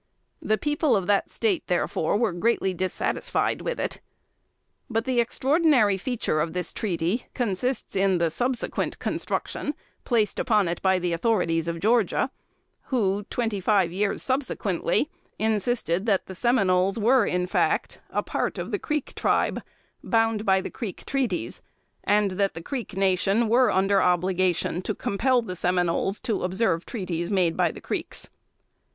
The people of that State, therefore, were greatly dissatisfied with it. But the extraordinary feature of this treaty, consists in the subsequent construction placed upon it by the authorities of Georgia, who, twenty five years subsequently, insisted that the Seminoles were in fact a part of the Creek tribe, bound by the Creek treaties, and that the Creek nation were under obligation to compel the Seminoles to observe treaties made by the Creeks.